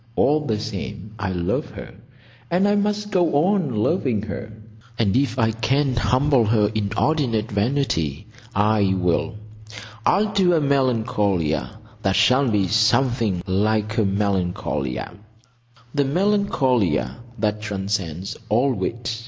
All the same I love her; and I must go on loving her; and if I can humble her inordinate vanity I will. I'll do a Melancolia that shall be something like a Melancolia—"the Melancolia that transcends all wit."